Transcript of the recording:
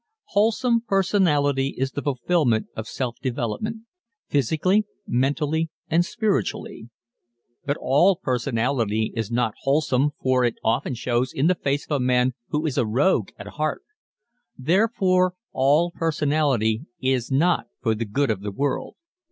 Wholesome personality is the fulfillment of self development physically, mentally and spiritually. But all personality is not wholesome for it often shows in the face of the man who is a rogue at heart. Therefore, all personality is not for the good of the world.